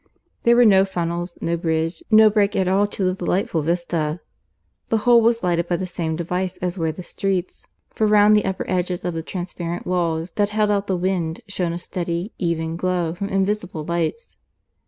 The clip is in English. There were no funnels, no bridge, no break at all to the delightful vista. The whole was lighted by the same device as were the streets, for round the upper edges of the transparent walls that held out the wind shone a steady, even glow from invisible lights.